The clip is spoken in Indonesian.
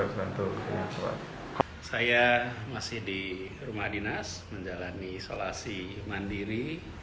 saya masih di rumah dinas menjalani isolasi mandiri